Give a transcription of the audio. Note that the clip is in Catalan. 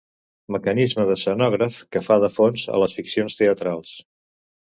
Mecanisme d'escenògraf que fa de fons a les ficcions teatrals.